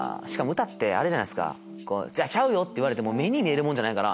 歌って「ちゃうよ」って言われても目に見えるもんじゃないから。